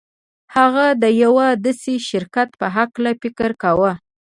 هغه د يوه داسې شرکت په هکله فکر کاوه.